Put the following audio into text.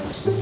aku gak mau